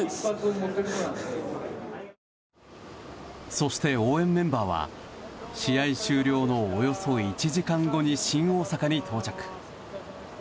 そして応援メンバーは試合終了のおよそ１時間後に新大阪に到着。